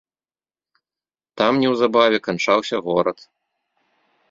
Там неўзабаве канчаўся горад.